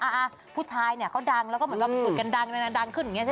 อ่าผู้ชายเนี่ยเขาดังแล้วก็เหมือนว่าเหมือนกันดังขึ้นอย่างนี้ใช่ไหม